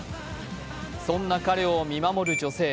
そんな彼を見守る女性